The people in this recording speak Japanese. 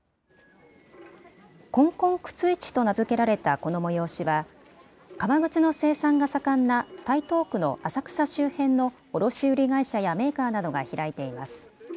こんこん靴市と名付けられたこの催しは、革靴の生産が盛んな台東区の浅草周辺の卸売り会社やメーカーなどが開いています。